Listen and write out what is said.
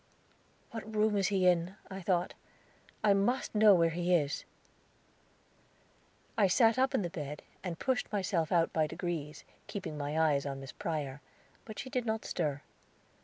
"What room is he in?" I thought. "I must know where he is." I sat up in the bed, and pushed myself out by degrees, keeping my eyes on Miss Prior; but she did not stir.